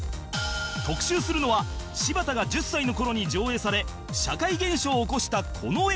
特集するのは柴田が１０歳の頃に上映され社会現象を起こしたこの映画